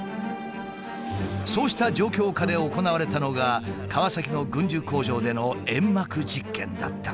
そうした状況下で行われたのが川崎の軍需工場での煙幕実験だった。